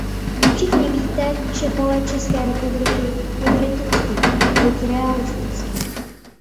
Všichni víte, že pohled České republiky je kritický, byť realistický.